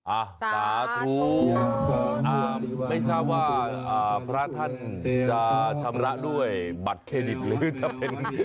อ่ะสาธุอ่าไม่ทราบว่าอ่าพระท่านจะชำระด้วยบัตรเครดิตหรือจะเป็น